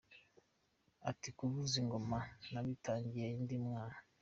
Ati “ Kuvuza ingoma nabitangiye ndi umwana.